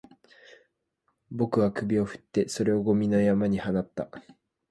僕は首を振って、それをゴミの山に放った